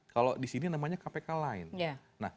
kalau di sini namanya kpk lain